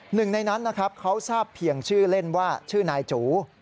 หนึ่งในนั้นนะครับเขาทราบเพียงชื่อเล่นว่าชื่อนายจู